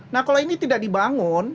nah kalau ini tidak dibangun